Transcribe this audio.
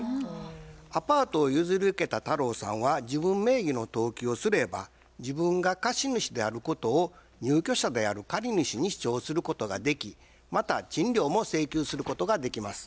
アパートを譲り受けた太郎さんは自分名義の登記をすれば自分が貸主であることを入居者である借主に主張することができまた賃料も請求することができます。